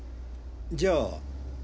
じゃあ。